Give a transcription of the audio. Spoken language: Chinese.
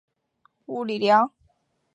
泊松式比的物理量。